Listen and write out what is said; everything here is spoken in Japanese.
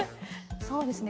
そうですね